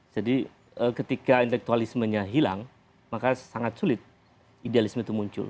jadi ketika intelektualismenya hilang maka sangat sulit idealisme itu muncul